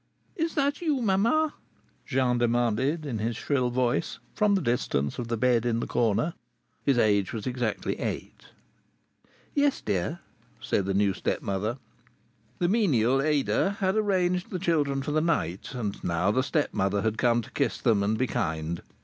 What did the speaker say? "Is that you, mamma?" Jean demanded in his shrill voice, from the distance of the bed in the corner. His age was exactly eight. "Yes, dear," said the new stepmother. The menial Ada had arranged the children for the night, and now the stepmother had come up to kiss them and be kind.